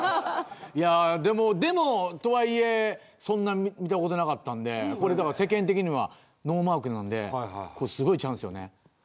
でも、とはいえ、そんな見たことなかったんで、世間的にはノーマークなんで、すごいチャンスよね。